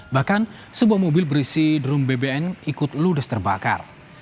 bahkan sebuah mobil berisi drum bbn ikut ludes terbakar